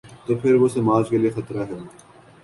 تو پھر وہ سماج کے لیے خطرہ ہے۔